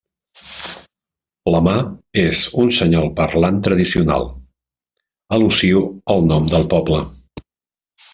La mà és un senyal parlant tradicional, al·lusiu al nom del poble.